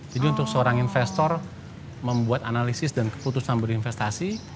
jadi untuk seorang investor membuat analisis dan keputusan berinvestasi